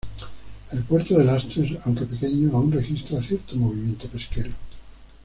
El puerto de Lastres, aunque pequeño, aún registra cierto movimiento pesquero.